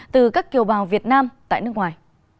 từ các kiều bào việt nam tại nước ngoài